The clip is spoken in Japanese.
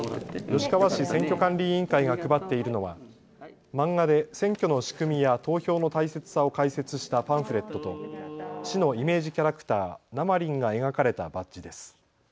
吉川市選挙管理委員会が配っているのはマンガで選挙の仕組みや投票の大切さを解説したパンフレットと市のイメージキャラクターなまりんが描かれたバッジです。